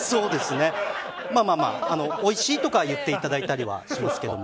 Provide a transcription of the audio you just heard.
まあ、おいしいとかは言っていただいたりはしますけど。